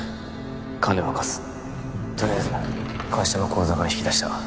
金は貸すとりあえず会社の口座から引き出した